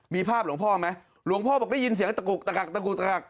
มีภาพหลวงพ่อไหมหลวงพ่อบอกได้ยินเสียงตะกุกตะกักตะกุกตะกัก